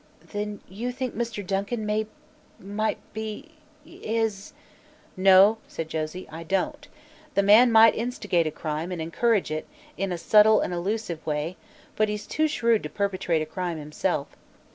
"Then, you think Mr. Duncan may might be is " "No," said Josie, "I don't. The man might instigate a crime and encourage it, in a subtle and elusive way, but he's too shrewd to perpetrate a crime himself.